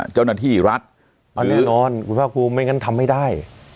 เจ้าหน้าที่รัฐแน่นอนคุณภาคภูมิไม่งั้นทำไม่ได้